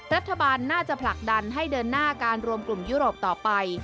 รัฐบาลน่าจะผลักดันให้เดินหน้าการรวมกลุ่มยุโรปต่อไป